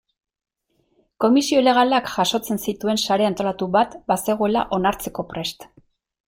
Komisio ilegalak jasotzen zituen sare antolatu bat bazegoela onartzeko prest.